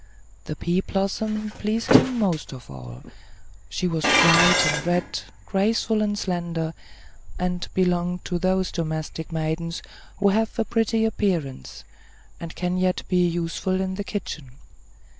The pea blossom pleased him most of all; she was white and red, graceful and slender, and belonged to those domestic maidens who have a pretty appearance, and can yet be useful in the kitchen.